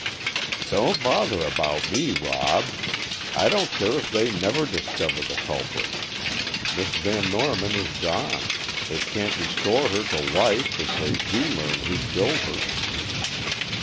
"Don't bother about me, Rob. I don't care if they never discover the culprit. Miss Van Norman is gone; it can't restore her to life if they do learn who killed her."